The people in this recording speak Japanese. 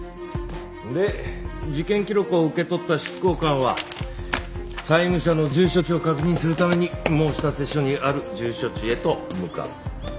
で事件記録を受け取った執行官は債務者の住所地を確認するために申立書にある住所地へと向かう。